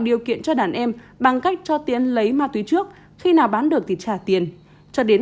điều kiện cho đàn em bằng cách cho tiến lấy ma túy trước khi nào bán được thì trả tiền cho đến